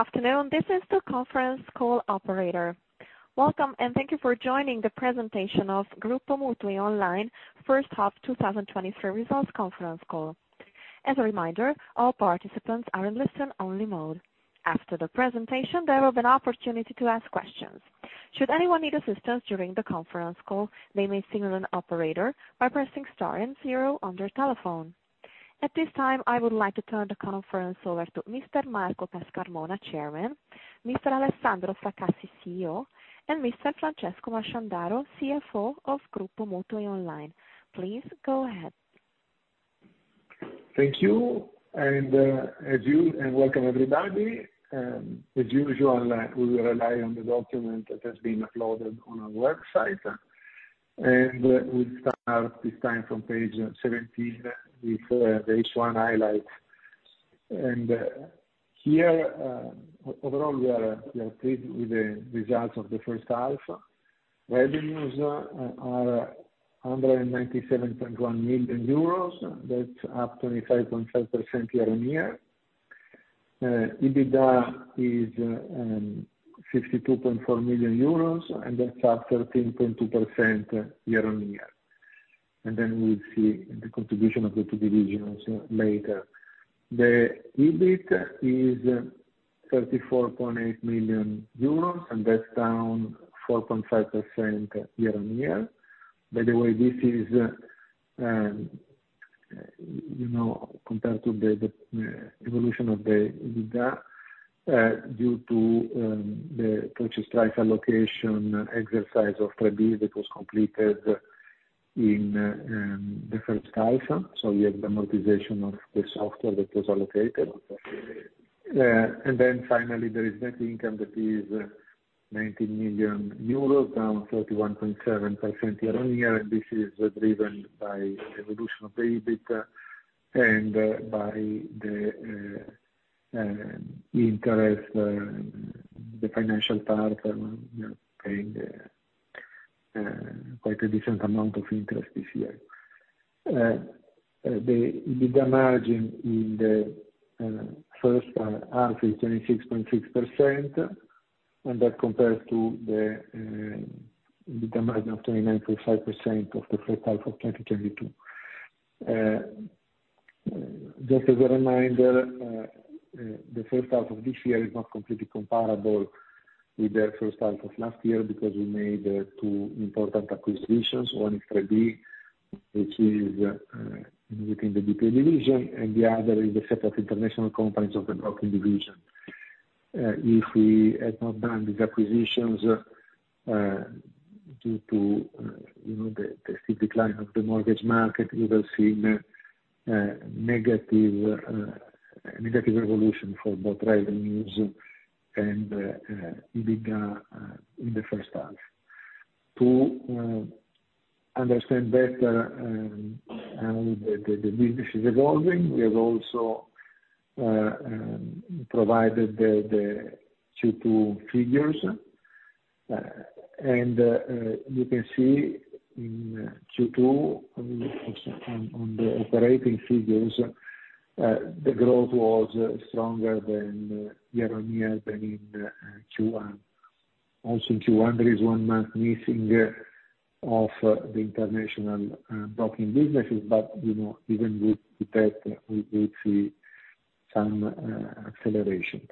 Good afternoon, this is the conference call Operator. Welcome, and thank you for joining the presentation of Gruppo MutuiOnline first half 2023 results conference call. As a reminder, all participants are in listen-only mode. After the presentation, there will be an opportunity to ask questions. Should anyone need assistance during the conference call, they may signal an operator by pressing star and zero on their telephone. At this time, I would like to turn the conference over to Mr. Marco Pescarmona, Chairman, Mr. Alessandro Fracassi, CEO, and Mr. Francesco Masciandaro, CFO of Gruppo MutuiOnline. Please go ahead. Thank you, and welcome, everybody, as usual, we will rely on the document that has been uploaded on our website, and we start this time from page 17 with the H1 highlights. And here, overall, we are pleased with the results of the first half. Revenues are 197.1 million euros. That's up 25.5% year-on-year. EBITDA is 52.4 million euros, and that's up 13.2% year-on-year. And then we'll see the contribution of the two divisions later. The EBIT is 34.8 million euros, and that's down 4.5% year-on-year. By the way, this is, you know, compared to the, the, evolution of the EBITDA, due to, the purchase price allocation exercise of Trebi that was completed in, the first half, so you have the amortization of the software that was allocated. And then finally, there is net income, that is 19 million euros, down 31.7% year-on-year, and this is driven by the evolution of the EBIT and, by the, interest, the financial part, you know, paying, quite a decent amount of interest this year. The margin in the, first half is 26.6%, and that compares to the, the margin of 29.5% of the first half of 2022. Just as a reminder, the first half of this year is not completely comparable with the first half of last year because we made two important acquisitions. One is Trebi, which is within the BPO division, and the other is a set of international companies of the Broking division. If we had not done these acquisitions, due to you know, the steep decline of the mortgage market, we would have seen negative evolution for both revenues and EBITDA in the first half. To understand better how the business is evolving, we have also provided the Q2 figures. And you can see in Q2, on the operating figures, the growth was stronger year-on-year than in Q1. Also, Q1, there is one month missing of the international broking businesses, but, you know, even with that, we, we see some acceleration.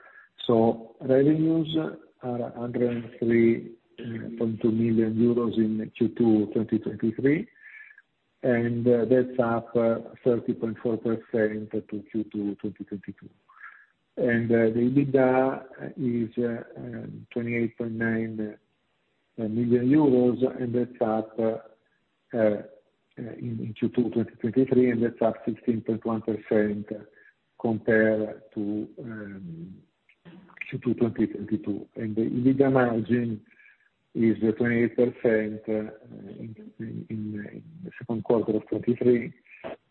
So revenues are 103.2 million euros in Q2 2023, and that's up 30.4% to Q2 2022. And the EBITDA is 28.9 million euros, and that's up in Q2 2023, and that's up 16.1% compared to Q2 2022. And the EBITDA margin is 28% in the second quarter of 2023,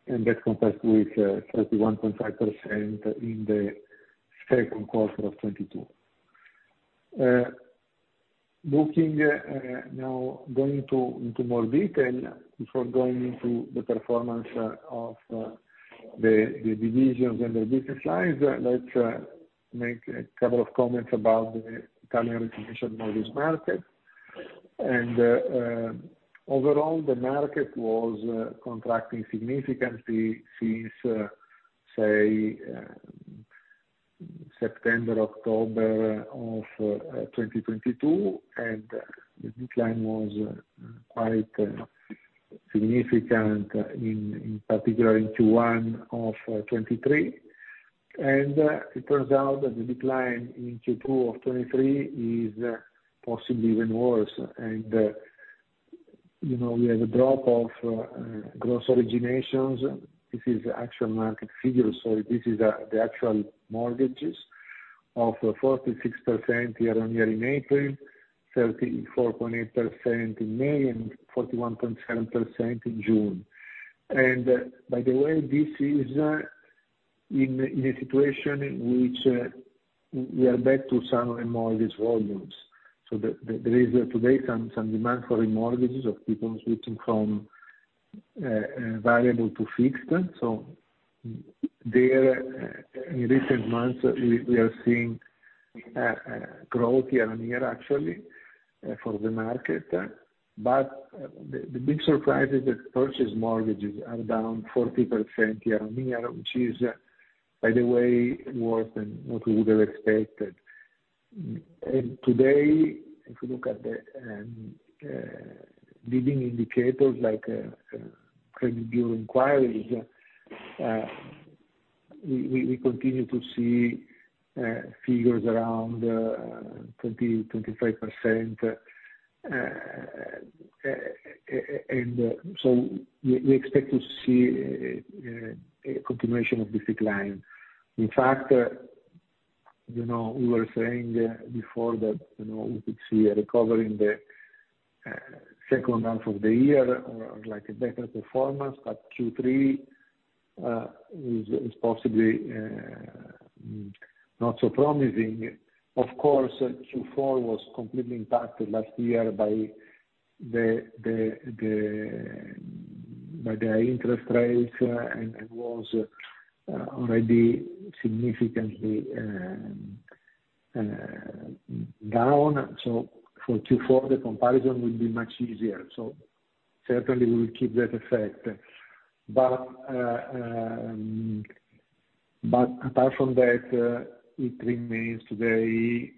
and that compares with 31.5% in the second quarter of 2022. Looking now going into more detail before going into the performance of the divisions and the business lines, let's make a couple of comments about the Italian residential mortgage market. Overall, the market was contracting significantly since, say, September, October of 2022, and the decline was quite significant in particular in Q1 of 2023. It turns out that the decline in Q2 of 2023 is possibly even worse. You know, we have a drop of gross originations. This is the actual market figures, so this is the actual mortgages of 46% year-on-year in April, 34.8% in May, and 41.7% in June. And by the way, this is in a situation in which we are back to some remortgage volumes, so there is today some demand for remortgages of people switching from variable to fixed. So there, in recent months, we are seeing growth year-on-year, actually, for the market. But the big surprise is that purchase mortgages are down 40% year-on-year, which is, by the way, worse than what we would have expected. And today, if you look at the leading indicators like credit bureau inquiries, we continue to see figures around 20-25%. And so we expect to see a continuation of this decline. In fact, you know, we were saying before that, you know, we could see a recovery in the second half of the year, or like a better performance, but Q3 is possibly not so promising. Of course, Q4 was completely impacted last year by the interest rates, and was already significantly down. So for Q4, the comparison will be much easier. So certainly we will keep that effect. But apart from that, it remains today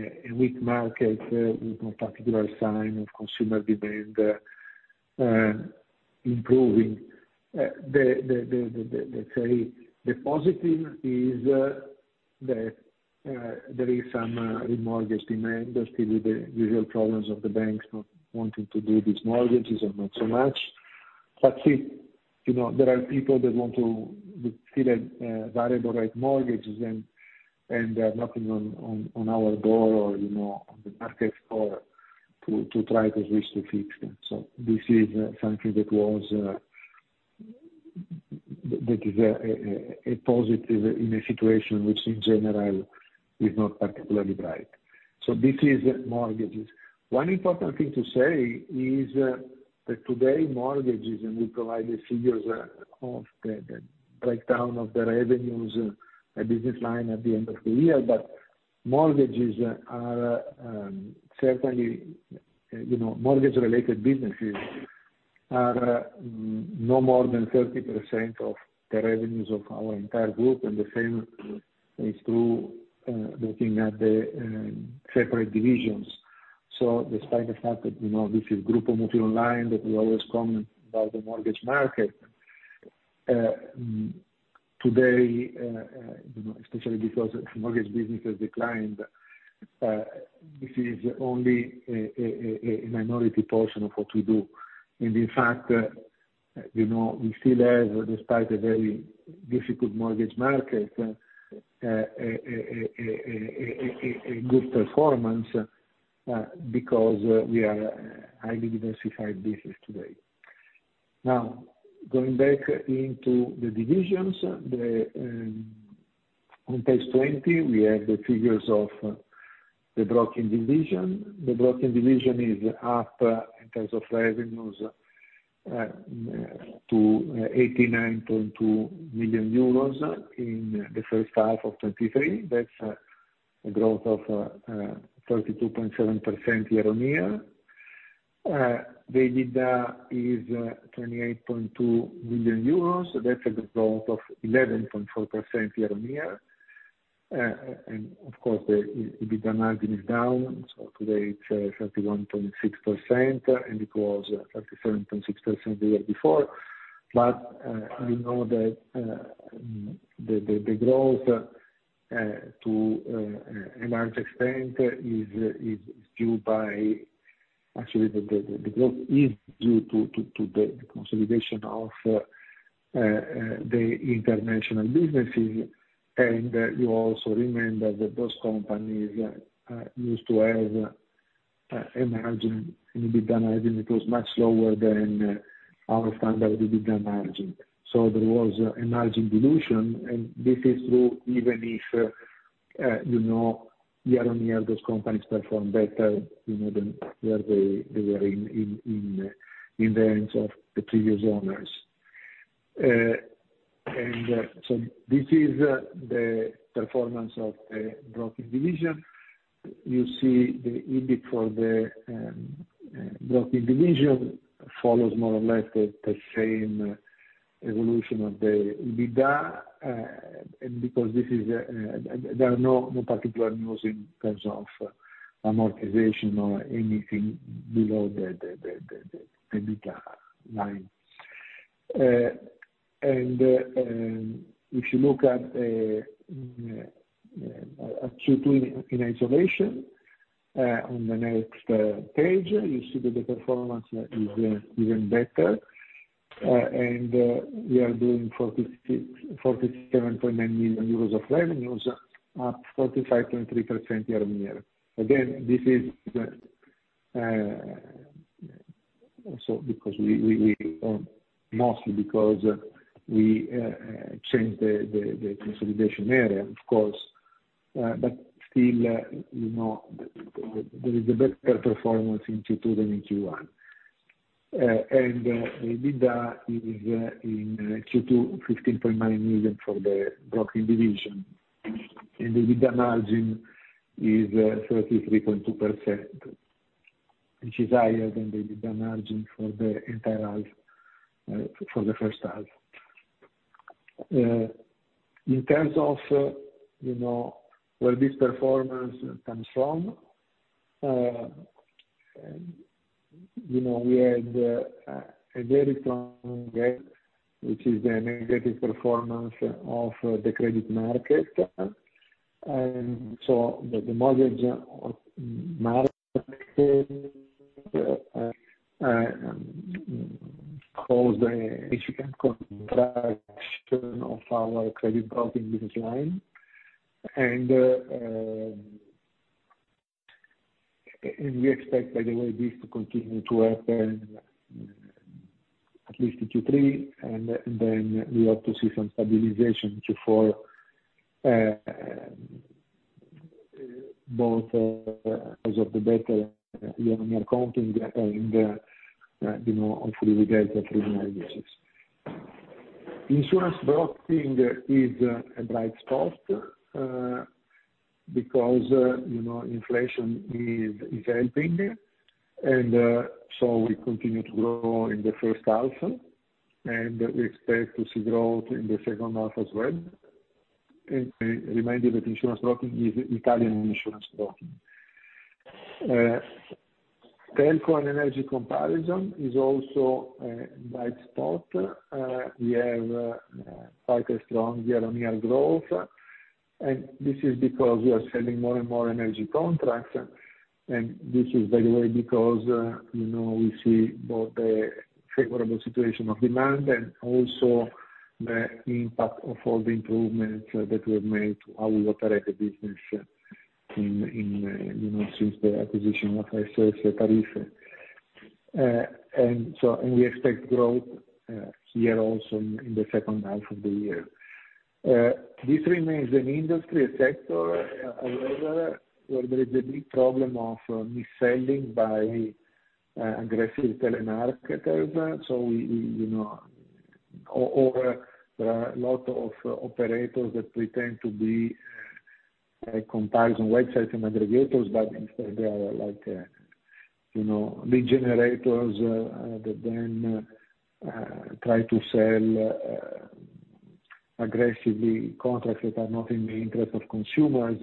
a weak market with no particular sign of consumer demand improving. The positive is that there is some remortgage demand, but still with the usual problems of the banks not wanting to do these mortgages or not so much. But, you know, there are people that want to see that, variable rate mortgages and, and they are knocking on our door or, you know, on the market door to try to switch to fixed. So this is something that was, that is, a positive in a situation which in general is not particularly bright. So this is mortgages. One important thing to say is, that today mortgages, and we provide the figures of the breakdown of the revenues, business line at the end of the year, but mortgages are, certainly, you know, mortgage-related businesses are no more than 30% of the revenues of our entire group, and the same is true, looking at the separate divisions. So despite the fact that, you know, this is Gruppo MutuiOnline, that we always come by the mortgage market, today, you know, especially because mortgage business has declined, this is only a minority portion of what we do. And in fact, you know, we still have, despite a very difficult mortgage market, a good performance, because, we are a highly diversified business today. Now, going back into the divisions, on page 20, we have the figures of the Broking Division. The Broking Division is up, in terms of revenues, to 89.2 million euros in the first half of 2023. That's a growth of 32.7% year on year. The EBITDA is 28.2 million euros. So that's a growth of 11.4% year-on-year. And of course, the EBITDA margin is down, so today it's 31.6%, and it was 37.6% the year before. But we know that the growth, to a large extent, is due by, Actually, the growth is due to the consolidation of the international businesses. And you also remember that those companies used to have a margin, an EBITDA margin, it was much lower than our standard EBITDA margin. So there was a margin dilution, and this is true even if, you know, year-on-year, those companies perform better, you know, than where they were in the hands of the previous owners. So this is the performance of the Broking Division. You see the EBIT for the Broking Division follows more or less the same evolution of the EBITDA, and because this is there are no particular news in terms of amortization or anything below the EBITDA line. And if you look at in isolation, on the next page, you see that the performance is even better. And we are doing 46-47.9 million euros of revenues, up 45.3% year-on-year. Again, this is so because we, we, mostly because we changed the consolidation area, of course, but still, you know, there is a better performance in Q2 than in Q1. The EBITDA is 15.9 million in Q2 for the Broking Division, and the EBITDA margin is 33.2%, which is higher than the EBITDA margin for the entire half, for the first half. In terms of, you know, where this performance comes from, you know, we had a very strong gap, which is the negative performance of the credit market. And so the mortgage market caused a significant contraction of our credit broking business line. And we expect, by the way, this to continue to happen at least in Q3, and then we hope to see some stabilization in Q4, both because of the better year-on-year accounting and, you know, hopefully we get regional issues. Insurance broking is a bright spot, because, you know, inflation is helping, and so we continue to grow in the first half, and we expect to see growth in the second half as well. And I remind you that insurance broking is Italian insurance broking. Telco and energy comparison is also a bright spot. We have quite a strong year-on-year growth, and this is because we are selling more and more energy contracts. And this is, by the way, because, you know, we see both the favorable situation of demand and also the impact of all the improvements that we have made to how we operate the business, you know, since the acquisition of SOS Tariffe. And so we expect growth here also in the second half of the year. This remains an industry sector, however, where there is a big problem of mis-selling by aggressive telemarketers. So we, you know, or there are a lot of operators that pretend to be a comparison website and aggregators, but instead they are like, you know, lead generators that then try to sell aggressively contracts that are not in the interest of consumers.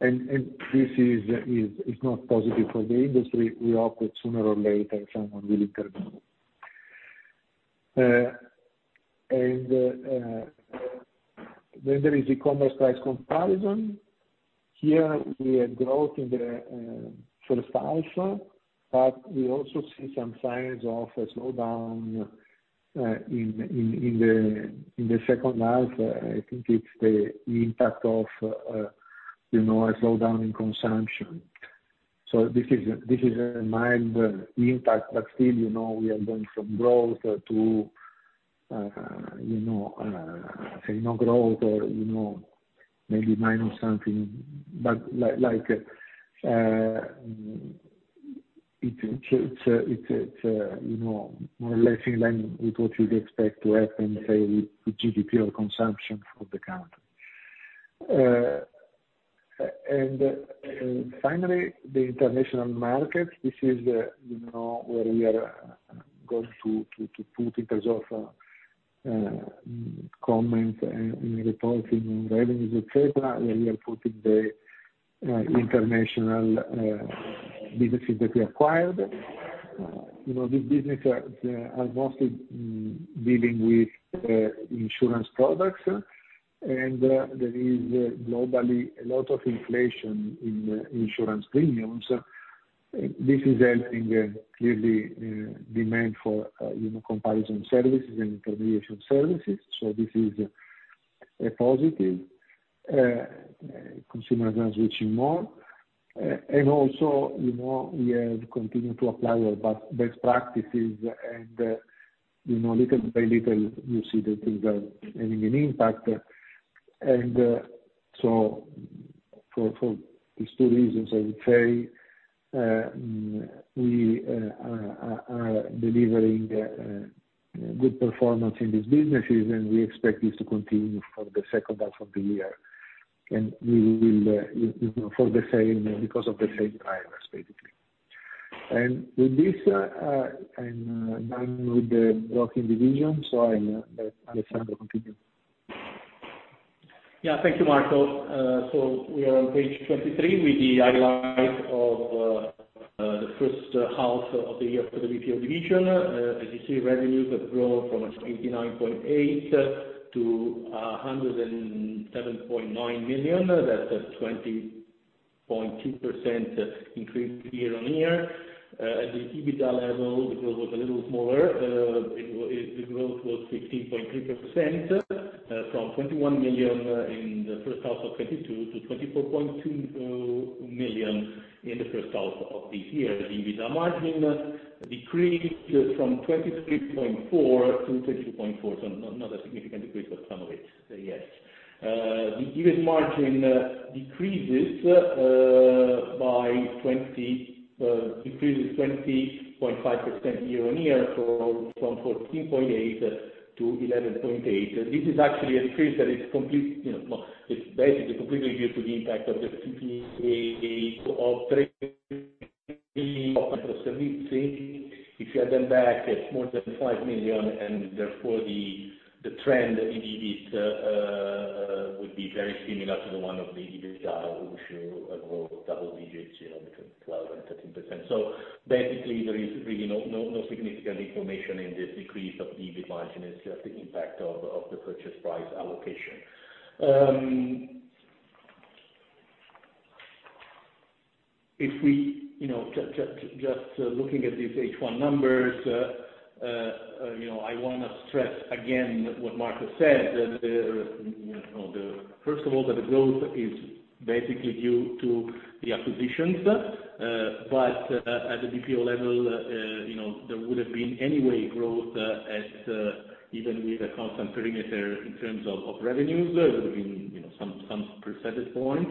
And this is not positive for the industry. We hope that sooner or later, someone will intervene. And then there is e-commerce price comparison. Here, we have growth in the first half, but we also see some signs of a slowdown in the second half. I think it's the impact of, you know, a slowdown in consumption. So this is a mild impact, but still, you know, we are going from growth to, you know, growth or, you know, maybe minus something. But like, it's, you know, more or less in line with what you would expect to happen, say, with GDP or consumption of the country. And finally, the international market, this is, you know, where we are going to put in terms of comment and reporting and revenues, et cetera, where we are putting the international businesses that we acquired. You know, these businesses are mostly dealing with insurance products, and there is globally a lot of inflation in insurance premiums. This is helping, clearly, demand for, you know, comparison services and intermediation services, so this is a positive. Consumers are switching more, and also, you know, we have continued to apply our best practices, and, you know, little by little, you see that things are having an impact. So for these two reasons, I would say, we are delivering good performance in these businesses, and we expect this to continue for the second half of the year. And we will, you know, for the same, because of the same drivers, basically. And with this, I'm with the Broking Division, so I'll let Alessandro continue. Yeah. Thank you, Marco. So we are on page 23 with the highlight of the first half of the year for the BPO division. As you see, revenues have grown from 89.8 million to 107.9 million. That's a 20.2% increase year-on-year. At the EBITDA level, the growth was a little smaller. The growth was 16.3%, from 21 million in the first half of 2022 to 24.2 million in the first half of this year. The EBITDA margin decreased from 23.4% to 22.4%, so not a significant decrease, but some of it, yes. The EBIT margin decreases 20.5% year-on-year, so from 14.8% to 11.8%. This is actually a decrease that is complete, you know, well, it's basically completely due to the impact of the PPA of trade. If you add them back, it's more than 5 million, and therefore, the trend indeed is would be very similar to the one of the EBITDA, which show a growth double digits, you know, between 12% and 13%. So basically, there is really no, no, no significant information in this decrease of the EBIT margin. It's just the impact of the purchase price allocation. If we, you know, just looking at these H1 numbers, you know, I wanna stress again what Marco said, that, you know, first of all, the growth is basically due to the acquisitions, but at the BPO level, you know, there would have been anyway growth, even with a constant perimeter in terms of revenues, there would have been, you know, some percentage point,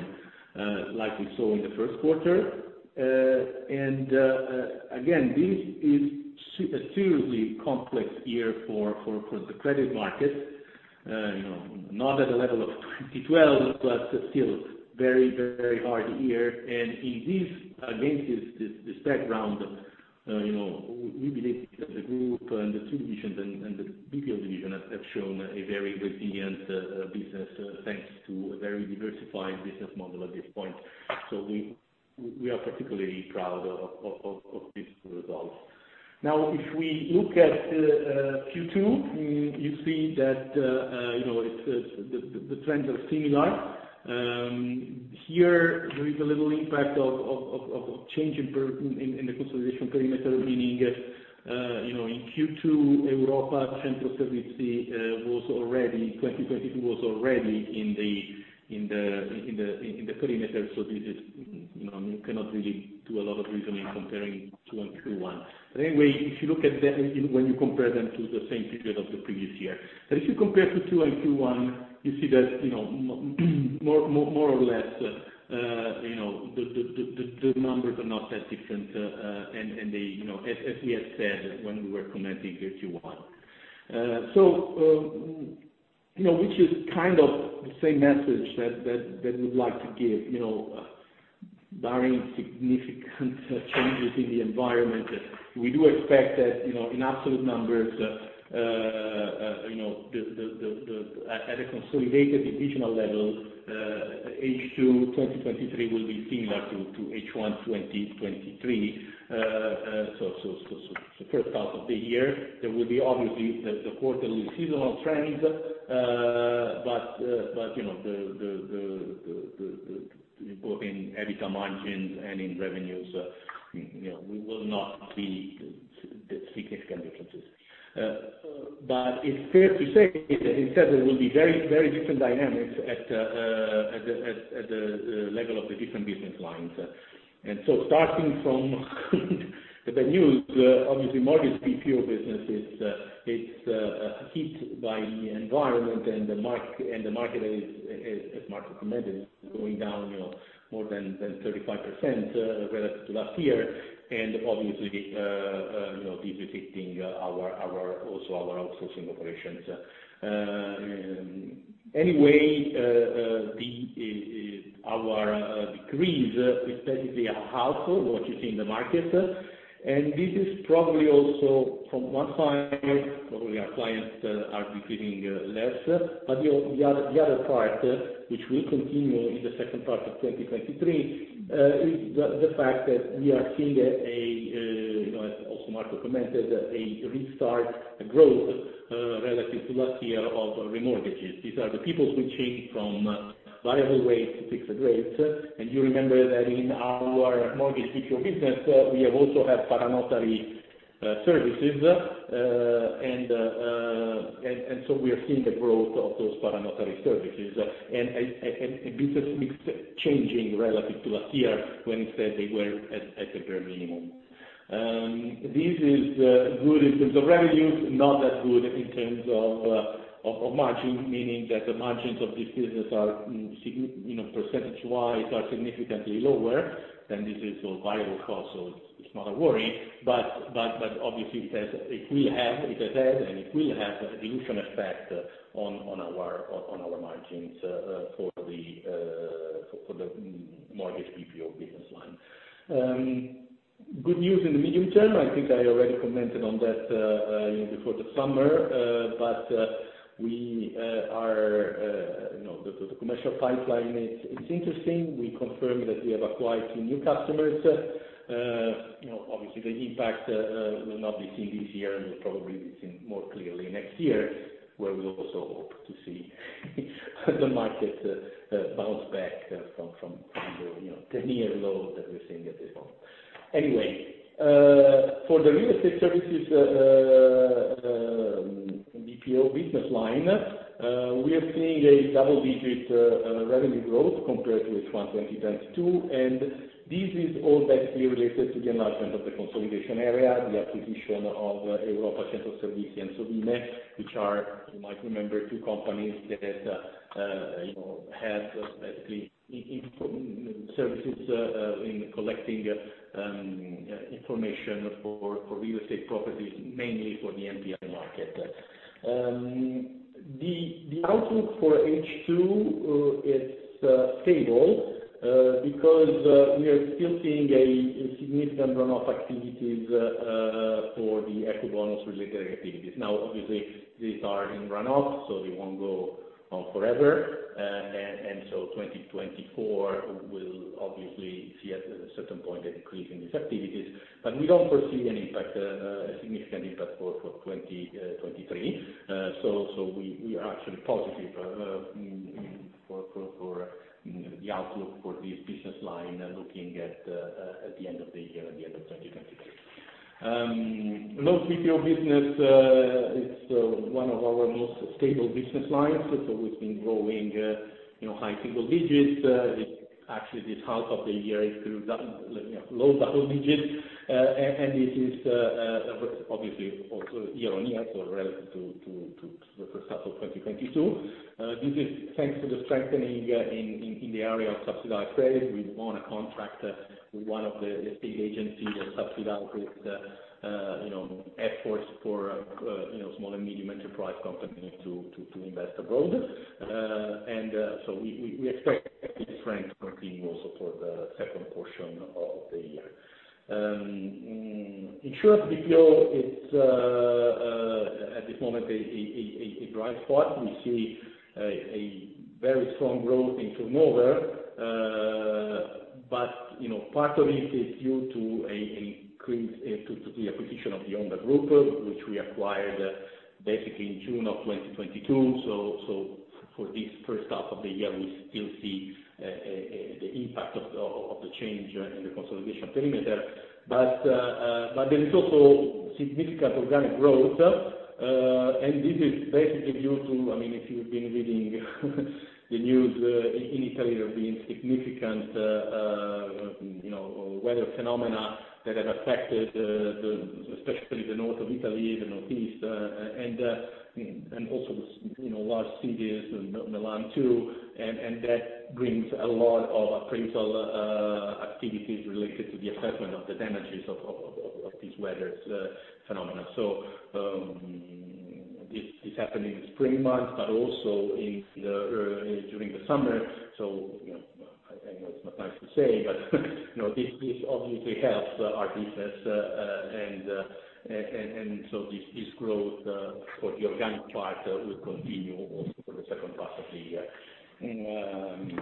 like we saw in the first quarter. And again, this is a seriously complex year for the credit market. You know, not at the level of 2012, but still very, very hard year. Against this background, you know, we believe that the group and the two divisions and the BPO division have shown a very resilient business, thanks to a very diversified business model at this point. So we are particularly proud of these results. Now, if we look at Q2, you see that, you know, the trends are similar. Here, there is a little impact of change in the consolidation perimeter, meaning, you know, in Q2, Europa Centro Servizi was already – 2022 was already in the perimeter, so this is, you know, you cannot really do a lot of reasoning comparing Q2 and Q1. But anyway, if you look at them, when you compare them to the same period of the previous year. But if you compare to Q2 and Q1, you see that, you know, more or less, you know, the numbers are not that different, and they, you know, as we have said, when we were commenting Q1. So, you know, which is kind of the same message that we'd like to give, you know, barring significant changes in the environment, we do expect that, you know, in absolute numbers, you know, the at a consolidated divisional level, H2 2023 will be similar to H1 2023. So the first half of the year, there will be obviously the quarterly seasonal trends, but you know, in EBITDA margins and in revenues, you know, we will not see the significant differences. But it's fair to say, instead, there will be very, very different dynamics at the level of the different business lines. So starting from the news, obviously, mortgage BPO business is hit by the environment and the market, as Marco commented, is going down, you know, more than 35% relative to last year, and obviously, you know, this affecting our, also our outsourcing operations. Anyway, the decrease is basically a half what you see in the market, and this is probably also from one side, probably our clients are decreasing less. But the other part, which will continue in the second part of 2023, is the fact that we are seeing, you know, as also Marco commented, a restart, a growth relative to last year of remortgages. These are the people switching from variable rates to fixed rates. And you remember that in our mortgage BPO business, we also have notarial services. And this is changing relative to last year, when instead they were at a very minimum. This is good in terms of revenues, not that good in terms of margin, meaning that the margins of this business are, you know, percentage-wise, significantly lower, and this is a variable cost, so it's not a worry. But obviously it will have, it has had, and it will have a dilution effect on our margins for the mortgage BPO business line. Good news in the medium term. I think I already commented on that, you know, before the summer, but we are, you know, the commercial pipeline, it's interesting. We confirm that we have acquired some new customers. You know, obviously, the impact will not be seen this year and will probably be seen more clearly next year, where we also hope to see the market bounce back from the near low that we're seeing at this point. Anyway, for the real estate services BPO business line, we are seeing a double-digit revenue growth compared to H1 2022, and this is all basically related to the enlargement of the consolidation area, the acquisition of Europa Centro Servizi and Sovime, which are, you might remember, two companies that, you know, have basically services in collecting information for real estate properties, mainly for the NPL Market. The outlook for H2 is stable because we are still seeing a significant run-off activities for the Ecobonus related activities. Now, obviously, these are in run-off, so they won't go on forever. And so 2024 will obviously see at a certain point, an increase in these activities. But we don't foresee any impact, a significant impact for 2023. So we are actually positive, you know, for the outlook for this business line, looking at the end of the year, at the end of 2023. Loan BPO business, it's one of our most stable business lines. So it's been growing, you know, high single digits. Actually, this half of the year is through double, you know, low double digits. This is obviously also year-on-year, so relative to the first half of 2022. This is thanks to the strengthening in the area of subsidized credit. We won a contract with one of the big agencies that subsidized, you know, efforts for, you know, small and medium enterprise companies to invest abroad. We expect this trend to continue also for the second portion of the year. Insurance BPO, it's at this moment a bright spot. We see a very strong growth in turnover. But, you know, part of it is due to an increase to the acquisition of the owner group, which we acquired basically in June 2022. So, for this first half of the year, we still see the impact of the change in the consolidation perimeter. But there is also significant organic growth, and this is basically due to, I mean, if you've been reading the news in Italy, there have been significant, you know, Weather Phenomena that have affected especially the North of Italy, the northeast, and also, you know, large cities, Milan, too. And that brings a lot of appraisal activities related to the assessment of the damages of these weather phenomena. So, this happened in the spring months, but also during the summer. So, you know, I know it's not nice to say, but you know, this obviously helps our business. And so this growth for the organic part will continue also for the second part of the year. And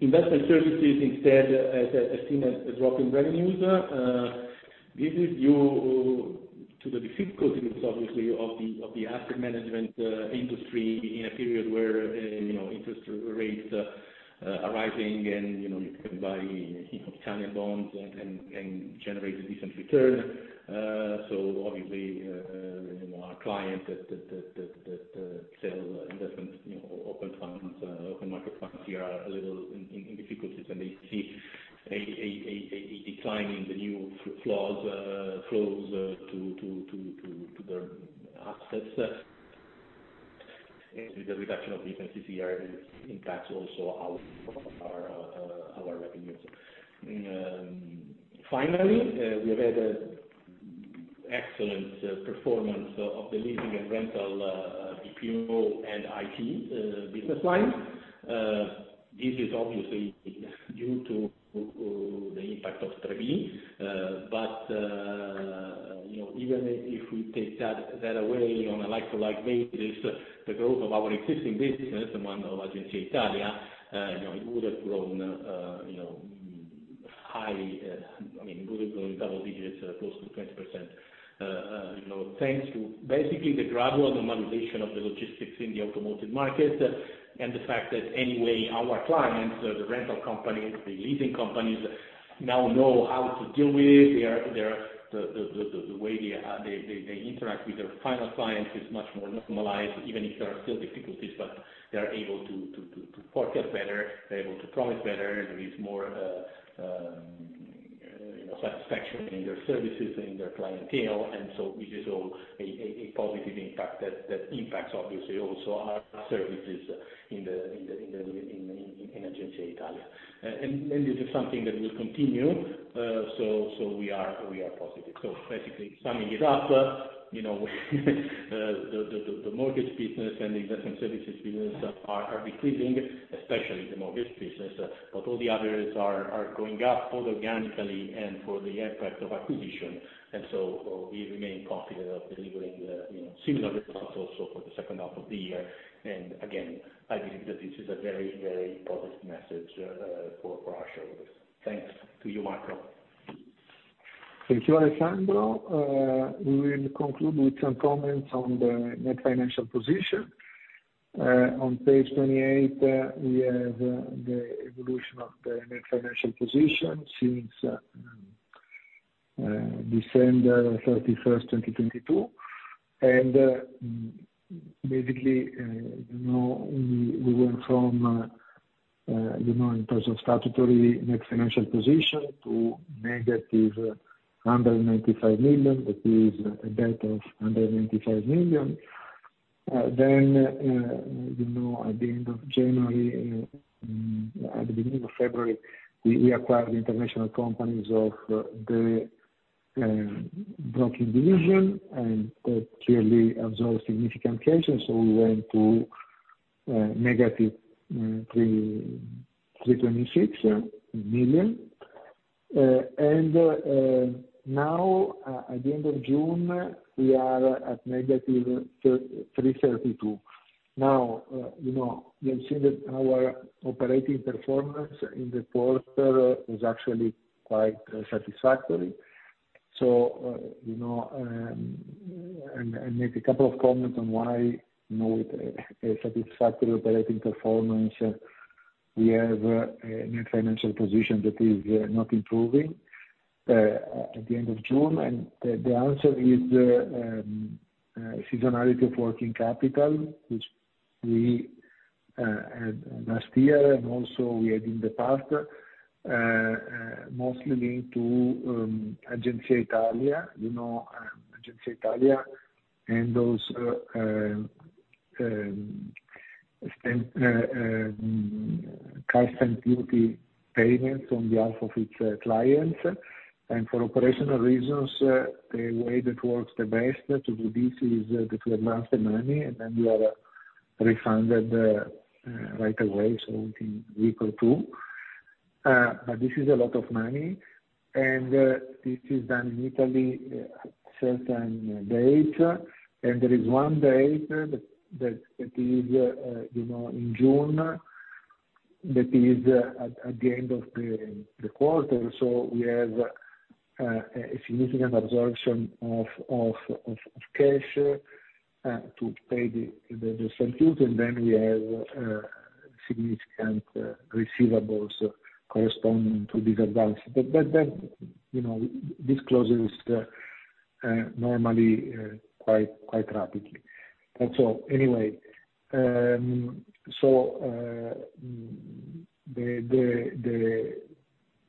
Investment services instead has seen a drop in revenues. This is due to the difficulties, obviously, of the asset management industry in a period where you know interest rates are rising and you know you can buy a heap of Italian bonds and generate a decent return. So obviously, you know, our client that sell investment, you know, open funds, open market funds, here are a little in difficulties, and they see a decline in the new flows, flows, to their assets. With the reduction of efficiencies here, it impacts also our revenues. Finally, we've had an excellent performance of the leasing and rental, BPO and IT, business line. This is obviously due to the impact of Trebi. But, you know, even if we take that away on a like-for-like basis, the growth of our existing business at Agenzia Italia, you know, it would have grown, you know, high double digits, I mean, close to 20%. You know, thanks to basically the gradual normalization of the logistics in the automotive market, and the fact that anyway, our clients, the rental companies, the leasing companies, now know how to deal with it. The way they interact with their final clients is much more normalized, even if there are still difficulties. But they are able to forecast better, they're able to promise better. There is more, you know, satisfaction in their services, in their clientele, and so this is all a positive impact, that impacts obviously also our services in Agenzia Italia. And this is something that will continue, so we are positive. So basically, summing it up, you know, the mortgage business and the investment services business are decreasing, especially the mortgage business. But all the others are going up, both organically and for the impact of acquisition. And so we remain confident of delivering, you know, similar results also for the second half of the year. And again, I believe that this is a very positive message for our shareholders. Thanks to you, Marco. Thank you, Alessandro. We will conclude with some comments on the net financial position. On page 28, we have the evolution of the net financial position since December 31st, 2022, and basically, you know, we went from, you know, in terms of statutory net financial position to negative 195 million, that is a debt of 195 million. Then, you know, at the end of January, at the beginning of February, we acquired the international companies of the Broking Division, and that clearly absorbs significant changes. So we went to negative 326 million. And now, at the end of June, we are at negative 332 million. Now, you know, you have seen that our operating performance in the quarter is actually quite satisfactory. So, you know, and maybe a couple of comments on why, you know, with a satisfactory operating performance, we have a net financial position that is not improving at the end of June. And the answer is seasonality of working capital, which we had last year and also we had in the past, mostly linked to Agenzia Italia. You know, Agenzia Italia and anticipates customs duty payments on behalf of its clients. And for operational reasons, the way that works the best to do this is to advance the money, and then we are refunded right away, so within week or two. But this is a lot of money, and this is done in Italy, certain date. There is one date that is, you know, in June, that is at the end of the quarter. So we have a significant absorption of cash to pay the substitute, and then we have significant receivables corresponding to this advance. But that, you know, this closes normally quite rapidly. That's all. Anyway, so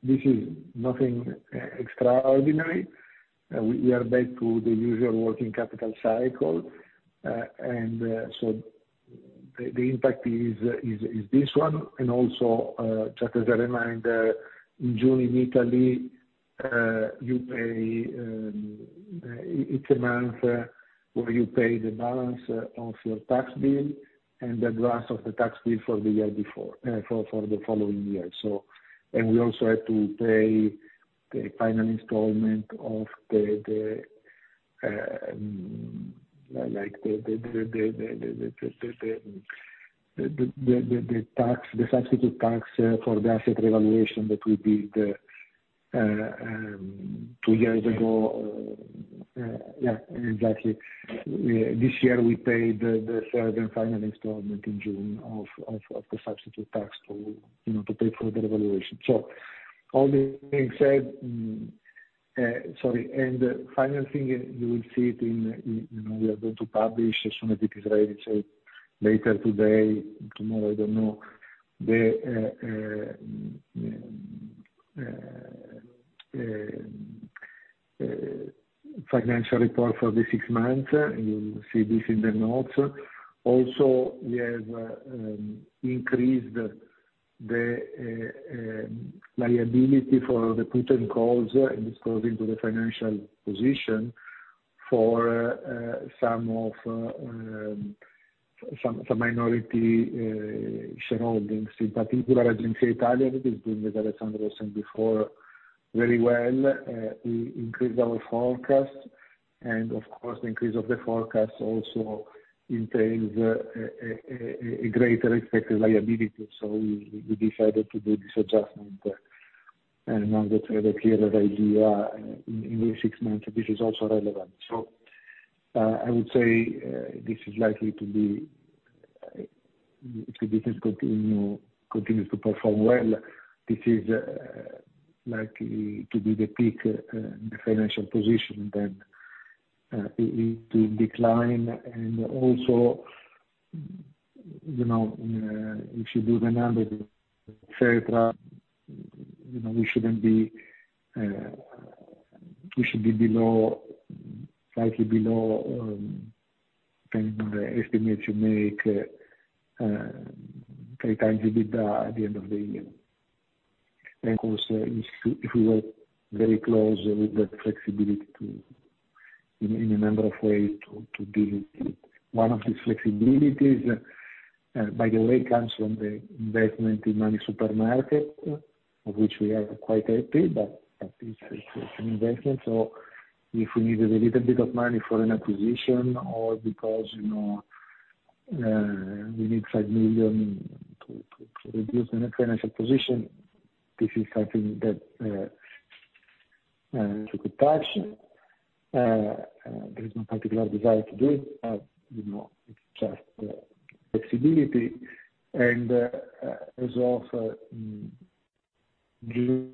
this is nothing extraordinary. We are back to the usual working capital cycle. And, so the impact is this one, and also, just as a reminder, in June, in Italy, you pay, it's a month, where you pay the balance of your tax bill, and the advance of the tax bill for the year before, for the following year. So, and we also have to pay the final installment of the, like the substitute tax, for the asset revaluation that we did, two years ago. Yeah, exactly. This year we paid the third and final installment in June of the substitute tax to, you know, to pay for the revaluation. So all being said, sorry, and the final thing, you will see it in, you know, we are going to publish as soon as it is ready, so later today, tomorrow, I don't know. The financial report for the six months, you will see this in the notes. Also, we have increased the liability for the put and calls, and this goes into the financial position for some of some minority shareholdings, in particular, Agenzia Italia, that Alessandro said before, very well. We increased our forecast and, of course, the increase of the forecast also entails a greater expected liability. So we decided to do this adjustment, and now that we have a clearer idea in these six months, this is also relevant. So, I would say, this is likely to be, if the business continues to perform well, this is likely to be the peak, the financial position then, it to decline. And also, you know, if you do the number, et cetera, you know, we shouldn't be, we should be below, slightly below, the estimates you make, 3x EBITDA at the end of the year. And, of course, if we work very closely with the flexibility to, in a number of ways to deal with it. One of these flexibilities, by the way, comes from the investment in MoneySuperMarket, of which we are quite happy, but it's an investment. So if we needed a little bit of money for an acquisition or because, you know, we need 5 million to reduce the net financial position, this is something that we could touch. There is no particular desire to do, you know, it's just flexibility, and as of June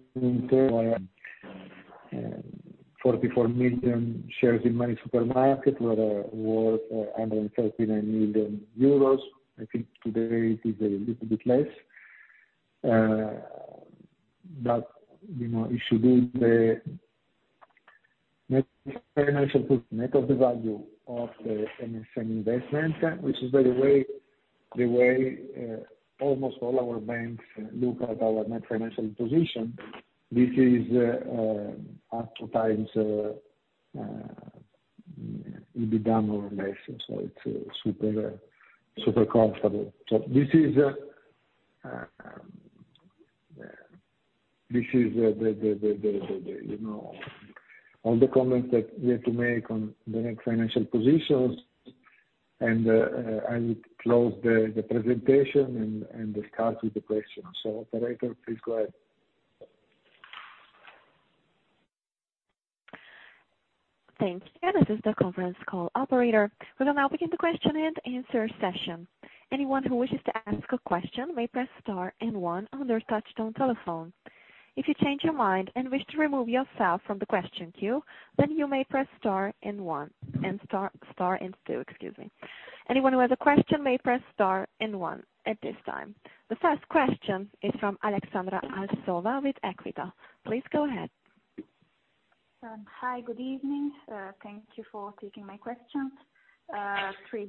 third, 44 million shares in MoneySuperMarket were worth 139 million euros. I think today it is a little bit less. But, you know, it should be the net net of the value of the MONY investment, which is, by the way, the way almost all our banks look at our net financial position. This is up to times EBITDA more or less, so it's super, super comfortable. So this is, you know, all the comments that we have to make on the net financial positions, and I would close the presentation and start with the questions. So operator, please go ahead. Thank you. And this is the conference call Operator. We'll now begin the question and answer session. Anyone who wishes to ask a question may press star and one on their touchtone telephone. If you change your mind and wish to remove yourself from the question queue, then you may press star and one, and star, star and two, excuse me. Anyone who has a question may press star and one at this time. The first question is from Alexandra Sherlock with Equita. Please go ahead. Hi, good evening. Thank you for taking my questions. Three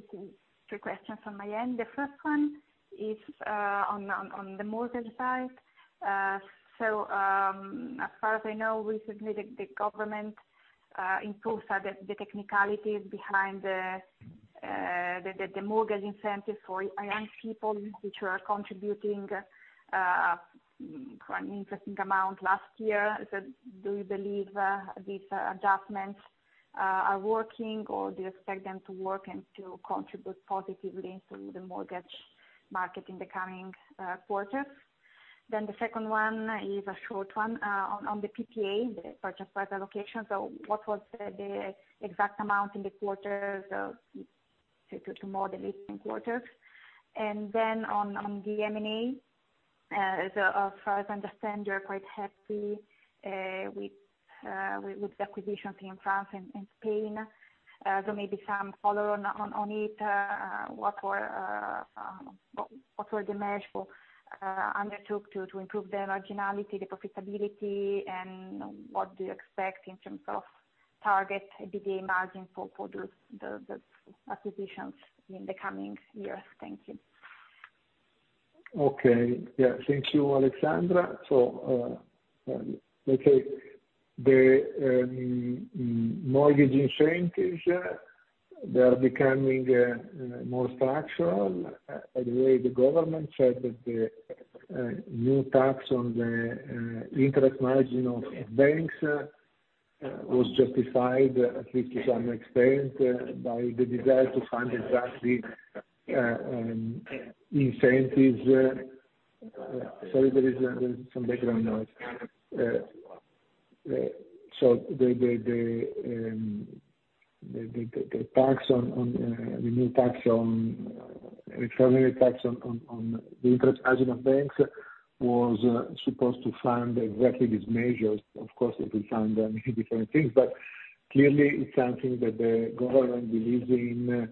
questions on my end. The first one is on the mortgage side. So, as far as I know, recently, the government improved the technicalities behind the mortgage incentive for young people which are contributing quite an interesting amount last year. So do you believe these adjustments are working, or do you expect them to work and to contribute positively to the mortgage market in the coming quarters? Then the second one is a short one. On the PPA, the purchase price allocation. So what was the exact amount in the quarters of, say, two to more than 18 quarters? Then on the M&A, as far as I understand, you're quite happy with the acquisitions in France and Spain. So maybe some follow on it. What were the measures you undertook to improve the marginality, the profitability, and what do you expect in terms of target EBITDA margin for the acquisitions in the coming years? Thank you. Okay. Yeah, thank you, Alexandra. So, let's say the mortgage incentives, they are becoming more structural. By the way, the government said that the new tax on the interest margin of banks was justified, at least to some extent, by the desire to fund exactly incentives. Sorry, there is some background noise. So the new recovery tax on the interest margin of banks was supposed to fund exactly these measures. Of course, it will fund them different things, but clearly it's something that the government believes in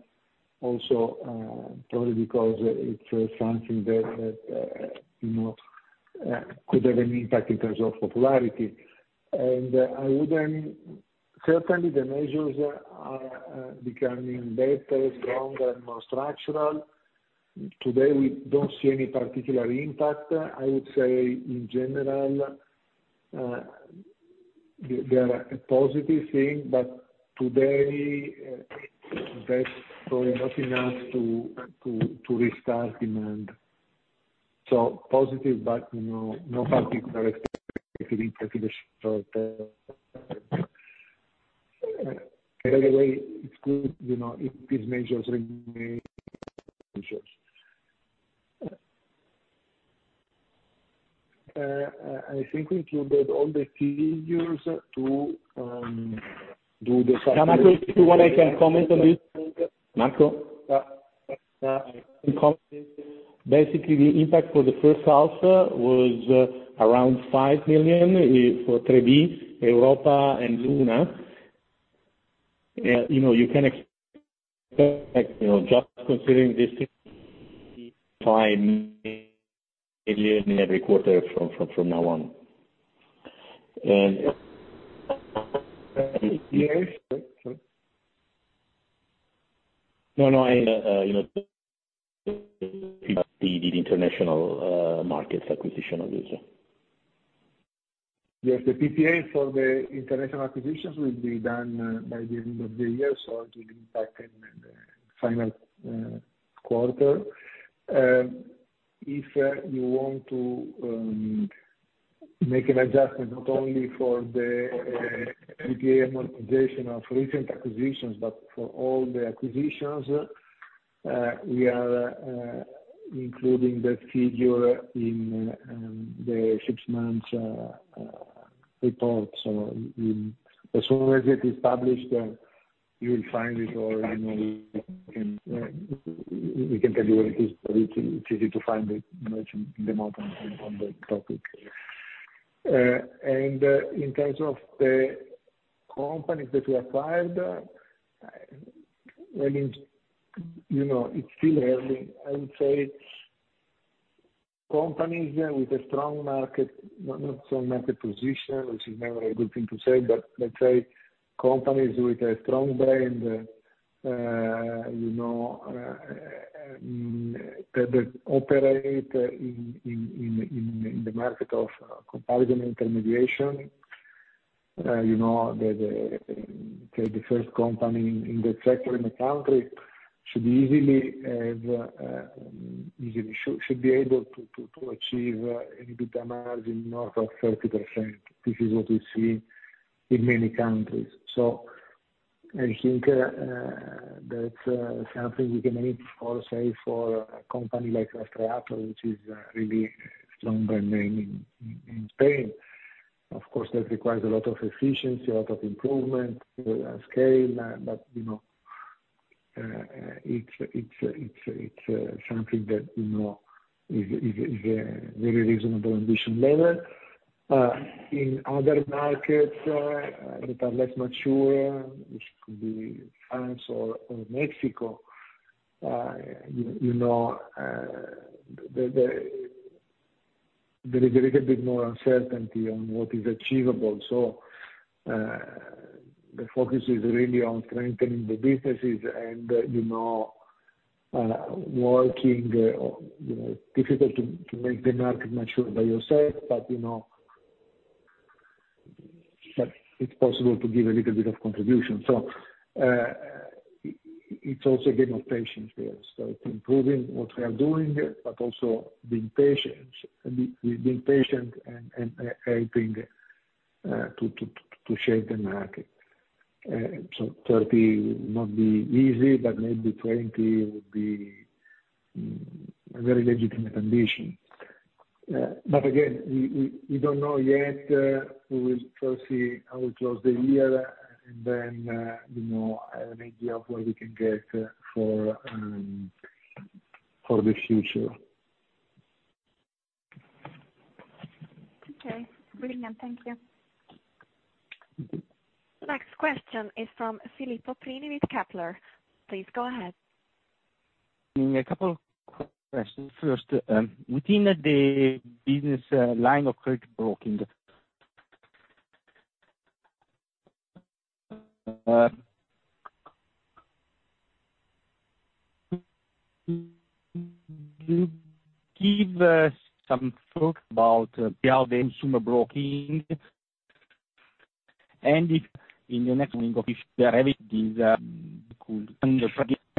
also, probably because it's something that, you know, could have an impact in terms of popularity. And I wouldn't. Certainly, the measures are becoming better, stronger, and more structural. Today, we don't see any particular impact. I would say, in general, they are a positive thing, but today, that's probably not enough to restart demand. So positive, but, you know, no particular impact in the short term. By the way, it's good, you know, if these measures remain measures. I think we included all the figures to do the- Yeah, Marco, if you want, I can comment on this. Marco? Yeah. I can comment. Basically, the impact for the first half was around 5 million for Trebi, Europa, and Luna. You know, you can expect, you know, just considering this 5 million every quarter from now on. And No, no, and you know, The international markets acquisition of user. Yes, the PPA for the international acquisitions will be done by the end of the year, so it will impact in the final quarter. If you want to make an adjustment not only for the PPA monetization of recent acquisitions, but for all the acquisitions. We are including that figure in the six months report. So as soon as it is published, you will find it or, you know, we can tell you where it is. It's easy to find it, you know, in the market on the topic. And in terms of the companies that we acquired, I mean, you know, it's still early. I would say it's companies with a strong market, not, not strong market position, which is never a good thing to say, but let's say companies with a strong brand, you know, that operate in the market of comparison intermediation, you know, the first company in the sector, in the country should easily have, easily should be able to achieve an EBITDA margin north of 30%. This is what we see in many countries. So I think, that's something we can maybe also say for a company like Rastreator, which is a really strong brand name in Spain. Of course, that requires a lot of efficiency, a lot of improvement, scale, but, you know, it's something that, you know, is a very reasonable ambition level. In other markets that are less mature, which could be France or Mexico, you know, there is a little bit more uncertainty on what is achievable. So, the focus is really on strengthening the businesses and, you know, working, you know, difficult to make the market mature by yourself, but, you know, it's possible to give a little bit of contribution. So, it's also a game of patience here. So improving what we are doing, but also being patient and helping to shape the market. So 30 would not be easy, but maybe 20 would be a very legitimate ambition. But again, we don't know yet. We will first see how we close the year and then, you know, have an idea of what we can get, for the future. Okay, brilliant. Thank you. Mm-hmm. Next question is from Filippo Prini with Kepler. Please go ahead. A couple of quick questions. First, within the business line of credit broking, give some thoughts about beyond the consumer broking, and if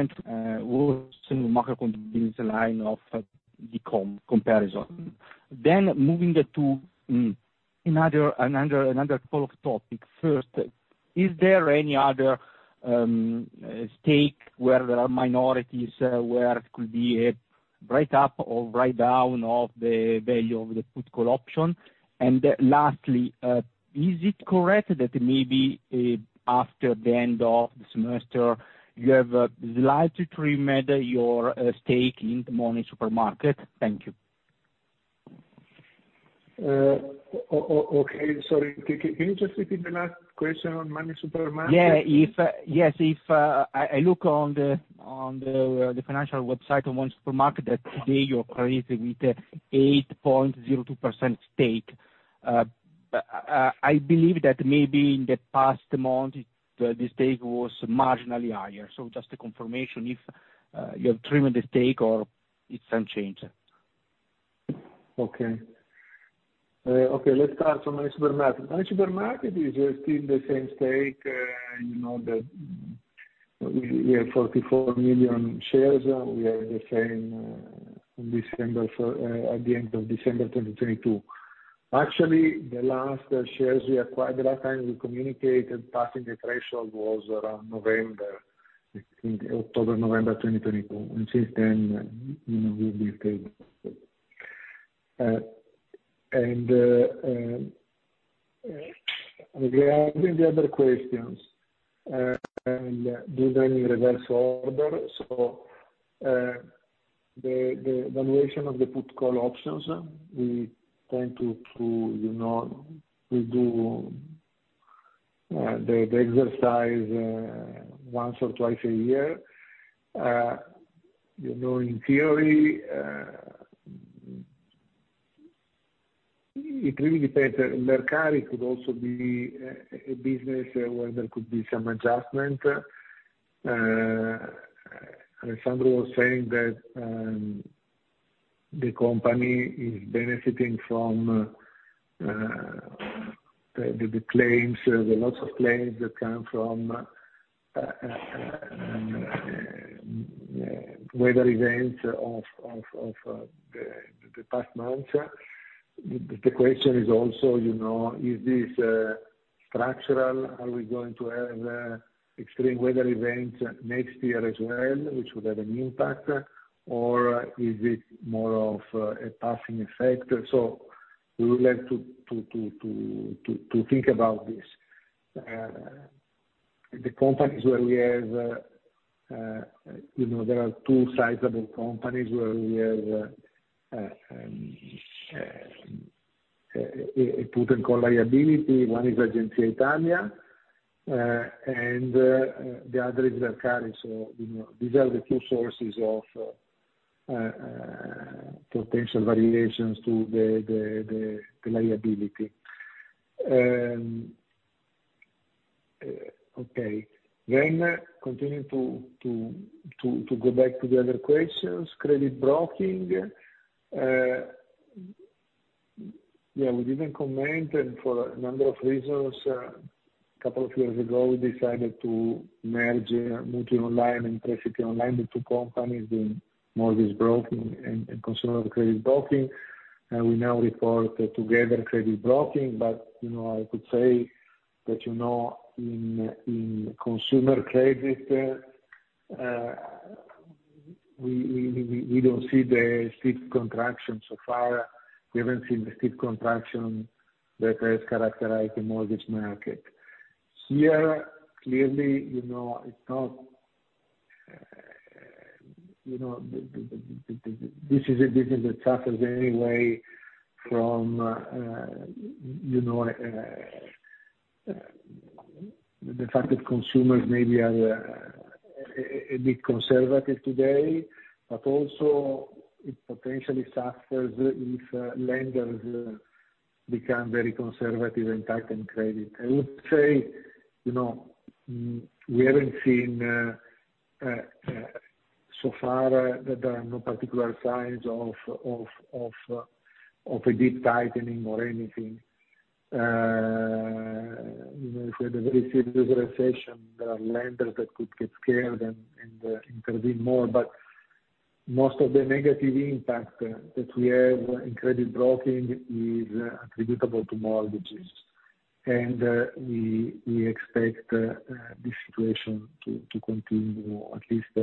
in the next meeting, if there is could worsen market conditions line of the comparison. Then moving to another follow-up topic. First, is there any other stake where there are minorities, where it could be a write up or write down of the value of the put call option? And lastly, is it correct that maybe after the end of the semester, you have slight trim at your stake in MoneySuperMarket? Thank you. Okay, sorry. Can you just repeat the last question on MoneySuperMarket? Yeah, yes, if I look on the financial website on MoneySuperMarket, that today you're operating with an 8.02% stake. But I believe that maybe in the past month, the stake was marginally higher. So just a confirmation if you have trimmed the stake or it's unchanged. Okay. Okay, let's start from MoneySuperMarket. MoneySuperMarket is still the same stake, you know, that we have 44 million shares. We are the same in December for at the end of December 2022. Actually, the last shares we acquired, the last time we communicated passing the threshold was around November, October, November 2022, and since then, you know, we've been stable. And regarding the other questions, and do them in reverse order. So, the valuation of the put call options, we tend to, you know, we do the exercise once or twice a year. You know, in theory, it really depends. Mercari could also be a business where there could be some adjustment. Alessandro was saying that the company is benefiting from the claims, lots of claims that come from weather events of the past months. The question is also, you know, is this structural? Are we going to have extreme weather events next year as well, which would have an impact, or is it more of a passing effect? So we would like to think about this. The companies where we have, you know, there are two sizable companies where we have a put and call liability. One is Agenzia Italia, and the other is Mercari. So, you know, these are the two sources of potential variations to the liability. Okay. Then continuing to go back to the other questions, credit broking, yeah, we didn't comment, and for a number of reasons, couple of years ago, we decided to merge MutuiOnline and PrestitiOnline, the two companies in mortgage broking and consumer credit broking. And we now report together credit broking, but, you know, I could say that, you know, in consumer credit, we don't see the steep contraction so far. We haven't seen the steep contraction that has characterized the mortgage market. Here, clearly, you know, it's not the this is a this is a suffers anyway from the fact that consumers maybe are a bit conservative today, but also it potentially suffers if lenders become very conservative and tighten credit. I would say, you know, we haven't seen so far that there are no particular signs of a deep tightening or anything. You know, if we had a very serious recession, there are lenders that could get scared and intervene more, but most of the negative impact that we have in credit broking is attributable to mortgages. And we expect this situation to continue at least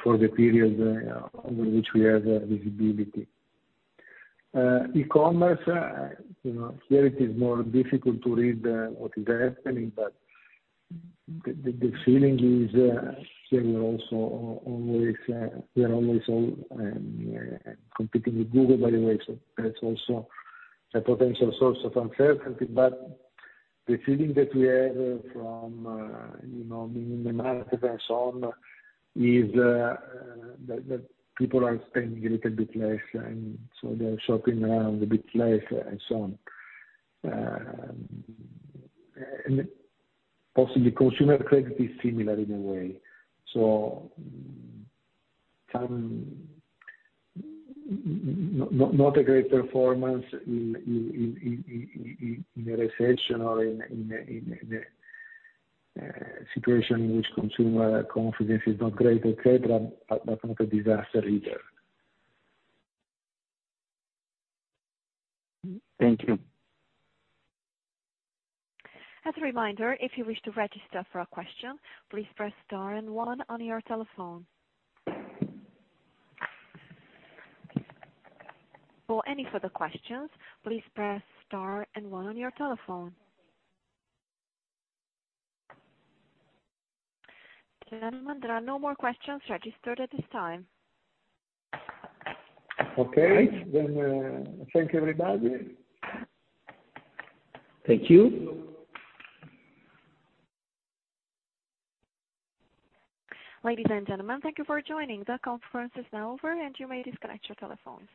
for the period over which we have visibility. E-commerce, you know, here it is more difficult to read what is happening, but the feeling is, here we are always competing with Google anyway, so that's also a potential source of uncertainty. But the feeling that we have from you know, being in the market and so on, is that people are spending a little bit less, and so they're shopping around a bit less and so on. And possibly consumer credit is similar in a way, so not a great performance in a recession or in the situation in which consumer confidence is not great, et cetera, but not a disaster either. Thank you. As a reminder, if you wish to register for a question, please press star and one on your telephone. For any further questions, please press star and one on your telephone. Gentlemen, there are no more questions registered at this time. Okay. Then, thank you, everybody. Thank you. Ladies and gentlemen, thank you for joining. The conference is now over, and you may disconnect your telephones.